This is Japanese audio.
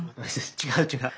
違う違う。